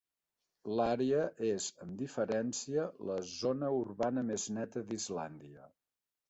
L'àrea és, amb diferència, la zona urbana més neta d'Islàndia.